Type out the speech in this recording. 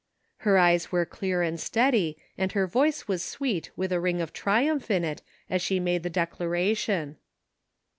'^ Her eyes were clear and steady, and her voice was sweet with a ring of triumph in it as she made the declaration.